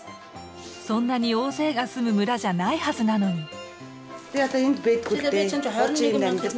そんなに大勢が住む村じゃないはずなのに。